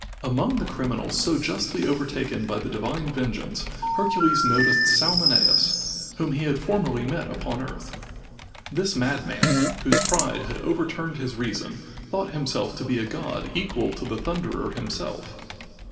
Among the criminals so justly overtaken by the divine vengeance Hercules noticed Salmoneus, whom he had formerly met upon earth. This madman, whose pride had overturned his reason, thought himself to be a god equal to the Thunderer himself.